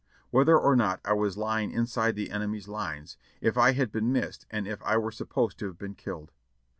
Whether or not I was lying inside the enemy's lines — if I had been missed and if I were supposed to have been killed?